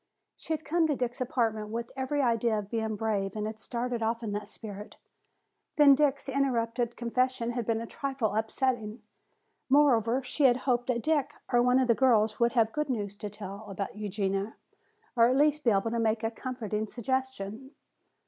She had come to Dick's apartment with every idea of being brave and had started off in that spirit. Then Dick's interrupted confession had been a trifle upsetting. Moreover, she had hoped that Dick or one of the girls would have good news to tell about Eugenia, or at least be able to make a comforting suggestion.